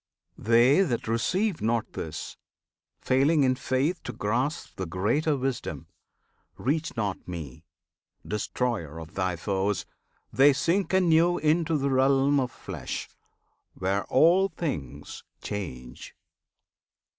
They that receive not this, failing in faith To grasp the greater wisdom, reach not Me, Destroyer of thy foes! They sink anew Into the realm of Flesh, where all things change!